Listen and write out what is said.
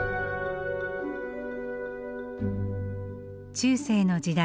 中世の時代